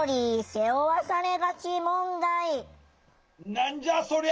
何じゃそりゃ。